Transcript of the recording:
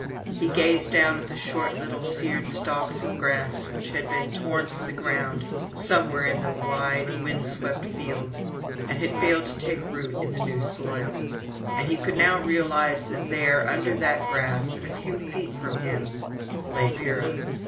He gazed long at the short little seared stalks of grass, which had been torn from the ground somewhere in the wide wind swept fields, and had failed to take root in the new soil; and he could not realize that there, under that grass, at a few feet from him, lay Vera.